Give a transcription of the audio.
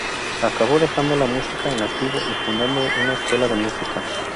Acabó dejando la música en activo y fundando una escuela de música.